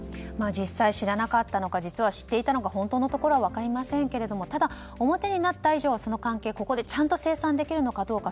実際知らなかったのか実は知っていたのか本当のところは分かりませんけれどもただ、表になった以上その関係をここでちゃんと清算できるのかどうか。